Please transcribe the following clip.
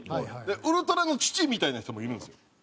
ウルトラの父みたいな人もいるんですよ。